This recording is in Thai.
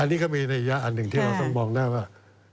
อันนี้ก็มีนัยยะอันหนึ่งที่เราต้องมองหน้าว่า